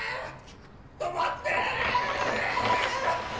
・止まって！